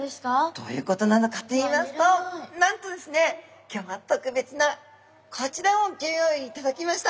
どういうことなのかといいますとなんとですね今日は特別なこちらをギョ用意いただきました！